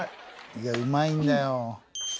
いやうまいんだよ。